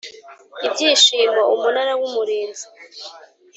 ibyishimo Umunara w Umurinzi